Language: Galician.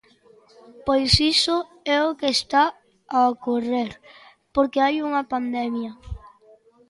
Pois iso é o que está a ocorrer porque hai unha pandemia.